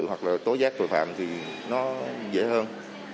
hoặc là tối giác tội phạm thì nó dễ hơn